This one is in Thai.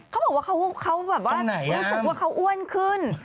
เขาบอกว่าเขาแบบว่ารู้สึกว่าเขาอ้วนขึ้น